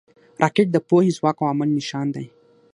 راکټ د پوهې، ځواک او عمل نښان دی